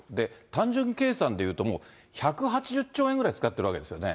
単純計算でいうと、もう１８０兆円ぐらい使ってるわけですよね。